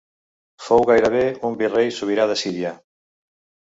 Fou gairebé un virrei sobirà de Síria.